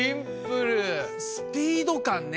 スピードかんね！